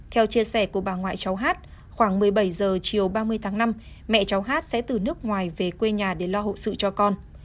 theo chia sẻ của bà ngoại cháu hát khoảng một mươi bảy h chiều ba mươi tháng năm mẹ cháu hát sẽ từ nước ngoài về quê nhà để lo hậu sự cho con